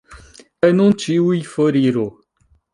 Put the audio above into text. Kaj nun ĉiuj foriru.